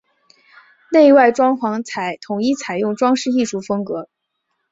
内外装潢统一采用装饰艺术风格。